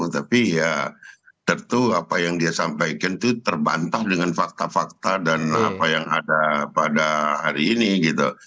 tapi ya tentu apa yang dia sampaikan itu terbantah dengan fakta fakta dan apa yang ada pada hari ini gitu